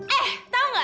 eh tau gak